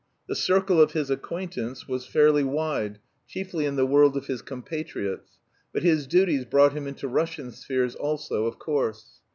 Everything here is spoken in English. The circle of his acquaintance was fairly wide, chiefly in the world of his compatriots, but his duties brought him into Russian spheres also, of course.